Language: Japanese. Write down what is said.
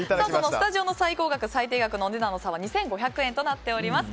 スタジオの最高額と最低額の差は２５００円となっています。